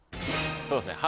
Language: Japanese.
そうですね。